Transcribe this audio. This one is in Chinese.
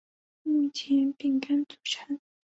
目前饼干组成。